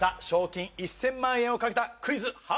賞金１０００万円をかけた「クイズ！